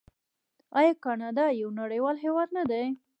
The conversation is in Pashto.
آیا کاناډا یو نړیوال هیواد نه دی؟